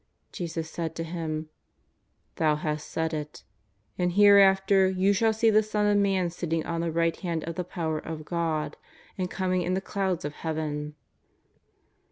Jesus said to him :" Thou hast said it. And, here after, you shall see the Son of Man sitting on the right hand of the power of God and coming in the clouds of Heaven."